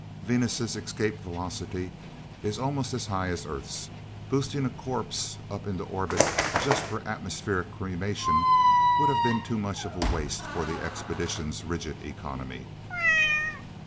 Venus' escape velocity is almost as high as Earth's. Boosting a corpse up into orbit, just for atmospheric cremation, would have been too much of a waste for the Expedition's rigid economy."